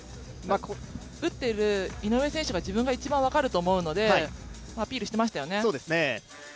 打っている井上選手が自分が一番分かると思うのでアピールしていましたよね。